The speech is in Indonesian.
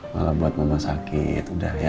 malah buat mama sakit udah ya